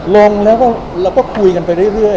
ลงแล้วก็คุยกันไปเรื่อย